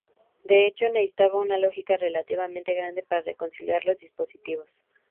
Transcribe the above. De hecho, necesitaba una lógica relativamente grande para reconciliar los dos dispositivos.